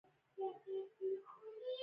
تعلیم نجونو ته د وخت ارزښت ور پېژني.